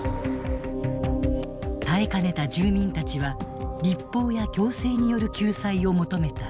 耐えかねた住民たちは立法や行政による救済を求めた。